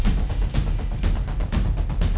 รอไว้ด้วยคลิปเป็นหมด